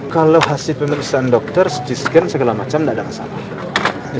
kalau hasil pemeriksaan dokter cance segala macam tidak ada kesalahan